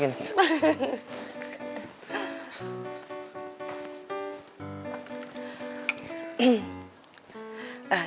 kita duduk lagi nih